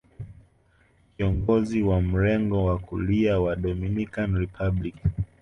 Kiongozi wa mrengo wa kulia wa Dominican Republic